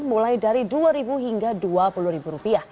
mulai dari rp dua hingga rp dua puluh